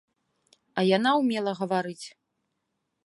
А яна ўмела гаварыць.